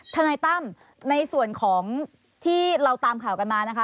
ทนายตั้มในส่วนของที่เราตามข่าวกันมานะคะ